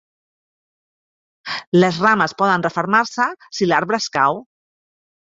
Les rames poden refermar-se si l"arbre es cau.